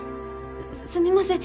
すみません。